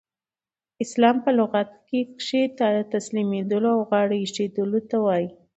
اسلام په لغت کښي تسلیمېدلو او غاړه ایښودلو ته وايي.